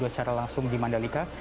secara langsung di mandalika